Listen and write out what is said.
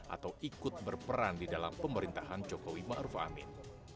atau ikut berperan di dalam pemerintahan jokowi ma'ruf amin